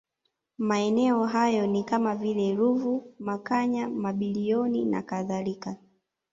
Maeneo hayo ni kama vile Ruvu Makanya Mabilioni na kadhalika